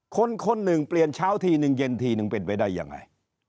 คนหนึ่งเปลี่ยนเช้าทีนึงเย็นทีนึงเป็นไปได้ยังไง